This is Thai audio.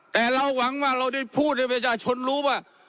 แต่เราหวังว่าเราได้พูดให้ประชาชนรู้ว่า